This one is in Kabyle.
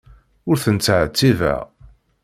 Ur ten-ttɛettibeɣ.